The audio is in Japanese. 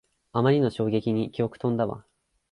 あまりの衝撃に記憶とんだわ